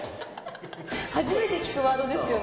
初めて聞くワードですよね。